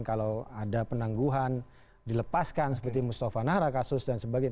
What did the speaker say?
kalau ada penangguhan dilepaskan seperti mustafa nahra kasus dan sebagainya